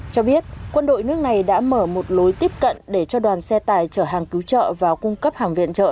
cho biết quân đội nước này đã mở một lối tiếp cận để cho đoàn xe tài chở hàng cứu trợ và cung cấp hàng viện trợ